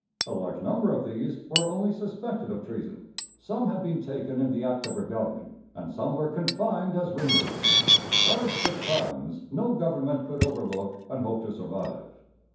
A large number of these were only suspected of treason; some had been taken in the act of rebellion; and some were confined as ringleaders, charged with crimes no government could overlook and hope to survive.